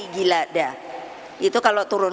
gila dia itu kalau turun